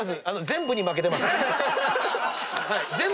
全部に負けてます。